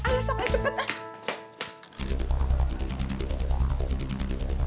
kita tepatnya berada di kuching